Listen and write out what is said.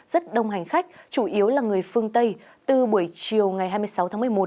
rất đông hành khách chủ yếu là người phương tây từ buổi chiều ngày hai mươi sáu tháng một mươi một